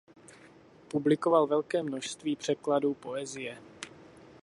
Publikoval velké množství překladů poezie.